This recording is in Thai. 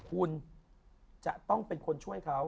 คุณจะต้องเป็นคนช่วยเขา